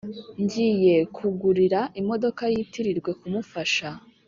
ngiye kugurira imodoka yitirirwe kumufasha